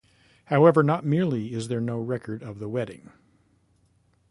However, not merely is there no record of the wedding.